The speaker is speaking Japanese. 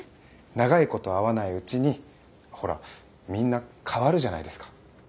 長いこと会わないうちにほらみんな変わるじゃないですか。